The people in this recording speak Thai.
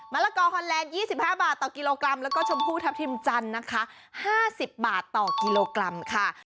ละกอฮอนแลนด์๒๕บาทต่อกิโลกรัมแล้วก็ชมพูทัพทิมจันทร์นะคะ๕๐บาทต่อกิโลกรัมค่ะ